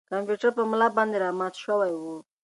کمپیوټر په ملا باندې را مات شوی و.